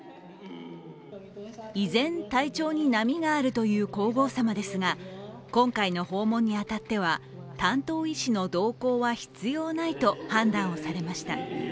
依然、体調に波があるという皇后さまですが今回の訪問に当たっては担当医師の同行は必要ないと判断されました。